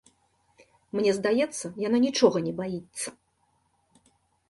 Мне здаецца, яна нічога не баіцца.